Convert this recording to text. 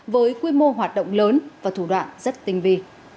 với quy mô hoạt động lớn và thủ đoạn rất tinh vi